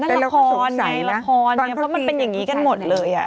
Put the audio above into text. ละครในละครเพราะมันเป็นอย่างนี้กันหมดเลยอ่ะ